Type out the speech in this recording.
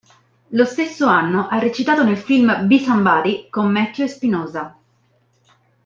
Lo stesso anno ha recitato nel film "Be Somebody" con Matthew Espinosa.